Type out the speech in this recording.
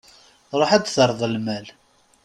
Ruḥ ad d-terreḍ lmal.